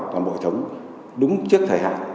toàn bộ hệ thống đúng trước thời hạn